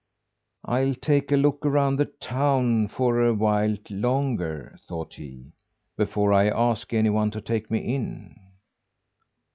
"I'll take a look around the town for a while longer," thought he, "before I ask anyone to take me in."